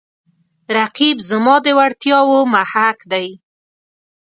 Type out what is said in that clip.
رقیب زما د وړتیاو محک دی